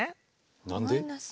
何で？